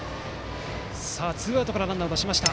ツーアウトからランナーを出しました。